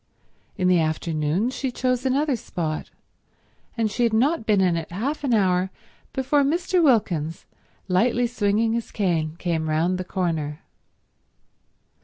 In the afternoon she chose another spot; and she had not been in it half an hour before Mr. Wilkins, lightly swinging his cane, came round the corner.